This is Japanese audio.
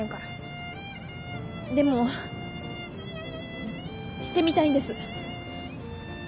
でもしてみたいんです。